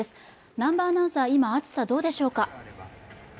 南波アナウンサー、今、暑さ、どうでしょうか？